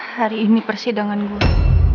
hari ini persidangan gua